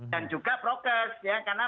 dan juga progress ya karena